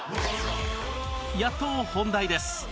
やっと本題です